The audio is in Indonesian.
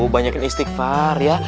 banyakin istighfar ya